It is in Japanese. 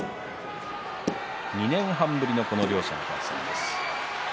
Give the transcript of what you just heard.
２年半ぶりのこの両者の対戦です。